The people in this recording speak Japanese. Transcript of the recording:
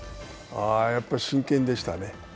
やっぱり真剣でしたね。